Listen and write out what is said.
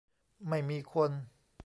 ไม่มีคน